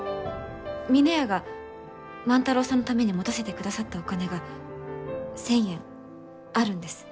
峰屋が万太郎さんのために持たせてくださったお金が１，０００円あるんです。